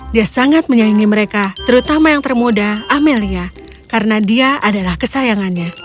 dia sangat menyaingi mereka terutama yang termuda amelia karena dia adalah kesayangannya